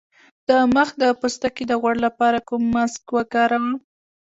د مخ د پوستکي د غوړ لپاره کوم ماسک وکاروم؟